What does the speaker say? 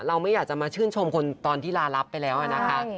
ไม่อยากจะมาชื่นชมคนตอนที่ลารับไปแล้วนะคะ